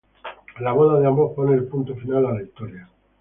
La boda de ambos pone el punto final a la historia.